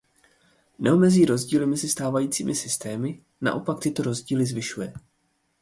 Neomezí rozdíly mezi stávajícími systémy, naopak tyto rozdíly zvyšuje.